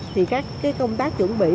thì các công tác chuẩn bị